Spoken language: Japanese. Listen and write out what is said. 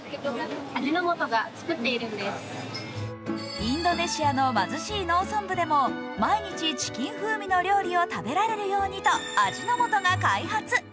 インドネシアの貧しい農村部でも毎日チキン風味の料理を食べられるようにと味の素が開発。